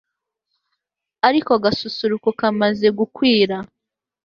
ariko agasusuruko kamaze gukwira